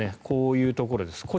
こういうところです。